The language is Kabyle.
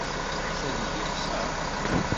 Leḥsab-ik yexṣer.